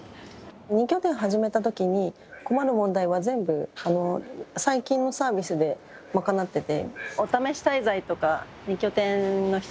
二拠点始めた時に困る問題は全部最近のサービスで賄ってて。